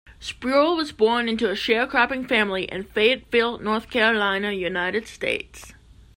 Spruill was born into a sharecropping family in Fayetteville, North Carolina, United States.